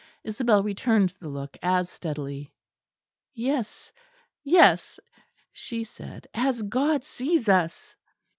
Isabel returned the look as steadily. "Yes, yes," she said, "as God sees us."